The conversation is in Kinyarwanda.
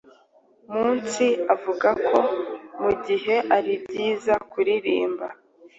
Munsi avuga ko mugihe aribyiza kuririmba